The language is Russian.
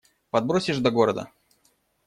Подбросишь до города?